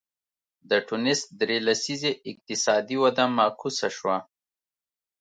د ټونس درې لسیزې اقتصادي وده معکوسه شوه.